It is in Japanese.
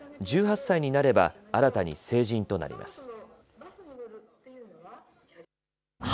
１８歳になれば新たに成人となります。